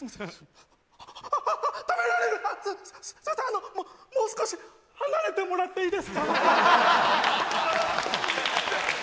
あのもうもう少し離れてもらっていいですか？